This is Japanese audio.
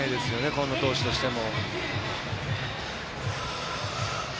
今野投手としても。